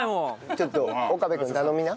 ちょっと岡部君に頼みな。